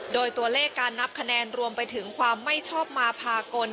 โดยตัวเลขการนับคะแนนรวมไปถึงความไม่ชอบมาพากล